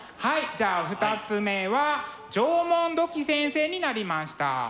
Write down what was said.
じゃあ２つ目は「縄文土器先生」になりました。